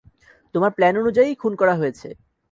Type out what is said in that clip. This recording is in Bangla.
তোমার প্ল্যান অনুযায়ীই খুন করা হয়েছে।